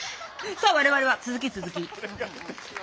さあ我々は続き続き。